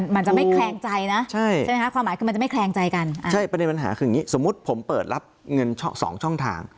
ประเด็นปัญหาคืออย่างงี้สมมติผมเปิดลับเงินสองช่องทาง